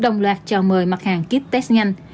đồng loạt chào mời mặt hàng kiếp test nhanh